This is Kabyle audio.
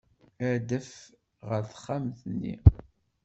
Adef ɣer texxamt-nni.